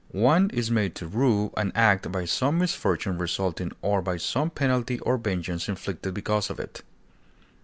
One is made to rue an act by some misfortune resulting, or by some penalty or vengeance inflicted because of it.